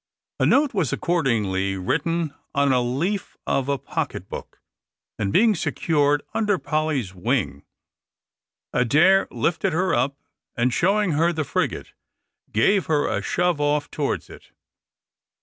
A note was accordingly written on the leaf of a pocket book, and being secured under Polly's wing, Adair lifted her up, and showing her the frigate, gave her a shove off towards it.